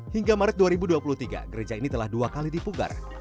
hingga maret dua ribu dua puluh tiga gereja ini telah dua kali dipugar